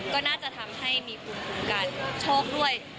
ก็น่าจะทำให้มีภูมิคุ้มกันโชคด้วย